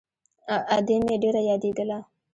ادې مې ډېره يادېدله.